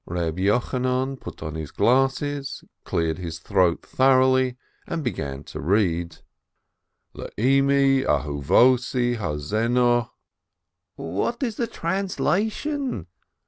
Reb Yochanan put on his glasses, cleared 'his throat thoroughly, and began to read : "Le Immi ahuvossi hatzenuoh" ... "What is the translation